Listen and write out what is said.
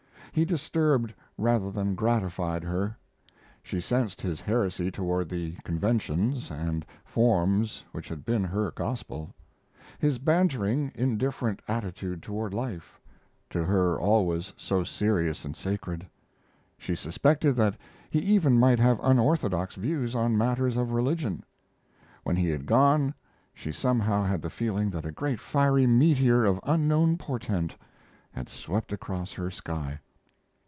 He disturbed rather than gratified her. She sensed his heresy toward the conventions and forms which had been her gospel; his bantering, indifferent attitude toward life to her always so serious and sacred; she suspected that he even might have unorthodox views on matters of religion. When he had gone she somehow had the feeling that a great fiery meteor of unknown portent had swept across her sky.